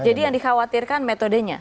jadi yang dikhawatirkan metodenya